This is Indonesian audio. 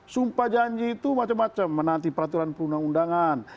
sumpah janji itu macam macam menanti peraturan perundang undangan